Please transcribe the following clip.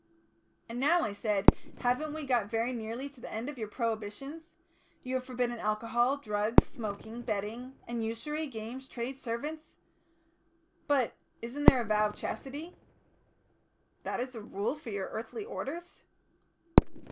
"And now," I said, "haven't we got very nearly to the end of your prohibitions? You have forbidden alcohol, drugs, smoking, betting, and usury, games, trade, servants. But isn't there a vow of Chastity?" "That is the Rule for your earthly orders?"